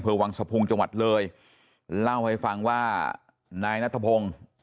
วังสะพุงจังหวัดเลยเล่าให้ฟังว่านายนัทพงศ์